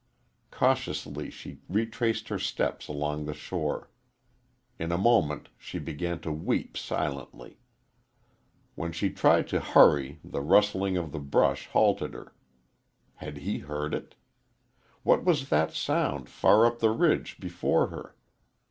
Cautiously she retraced her steps along the shore. In a moment she' began to weep silently. When she tried to hurry the rustling of the brush halted her. Had he heard it? What was that sound far up the ridge before her?